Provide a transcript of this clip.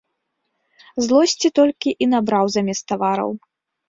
Злосці толькі і набраў замест тавараў.